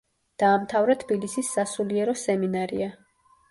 დაამთავრა თბილისის სასულიერო სემინარია.